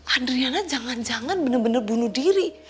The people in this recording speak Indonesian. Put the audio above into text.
adriana jangan jangan benar benar bunuh diri